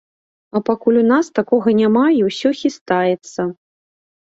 А пакуль у нас такога няма і ўсё хістаецца.